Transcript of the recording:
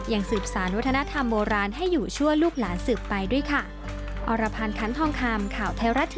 สืบสารวัฒนธรรมโบราณให้อยู่ชั่วลูกหลานสืบไปด้วยค่ะ